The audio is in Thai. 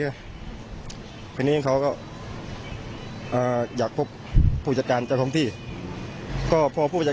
ทีนี้เขาก็อ่าอยากพบผู้จัดการเจ้าท้องที่ก็พอผู้จัด